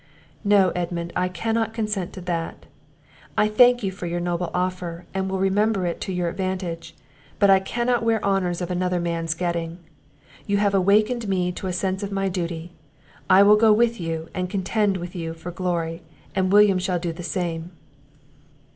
"No, Edmund, I cannot consent to that: I thank you for your noble offer, and will remember it to your advantage; but I cannot wear honours of another man's getting. You have awakened me to a sense of my duty: I will go with you, and contend with you for glory; and William shall do the same."